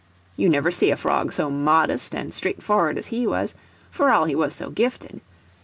You never see a frog so modest and straightfor'ard as he was, for all he was so gifted.